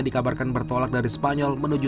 dikabarkan bertolak dari spanyol menuju